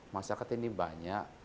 masyarakat ini banyak